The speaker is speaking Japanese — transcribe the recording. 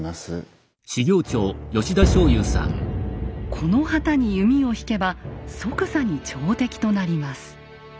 この旗に弓を引けば即座に朝敵となります。